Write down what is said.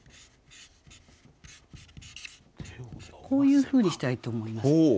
こういうふうにしたらいいと思います。